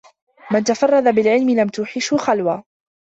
مَنْ تَفَرَّدَ بِالْعِلْمِ لَمْ تُوحِشْهُ خَلْوَةٌ